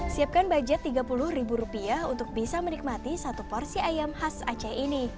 siapkan budget tiga puluh untuk bisa menikmati satu porsi ayam khas aceh ini